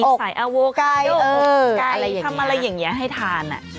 มีสายอ่ากายอะไรอย่างนี้ให้ทาน